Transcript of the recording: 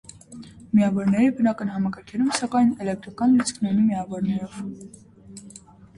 Միավորների բնական համակարգերում, սակայն, էլեկտրական լիցքն ունի միավորներով։